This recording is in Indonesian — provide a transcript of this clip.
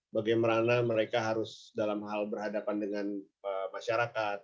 bagaimana mereka harus dalam hal berhadapan dengan masyarakat